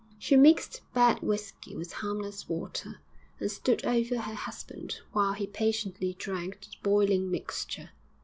She mixed bad whisky with harmless water, and stood over her husband while he patiently drank the boiling mixture.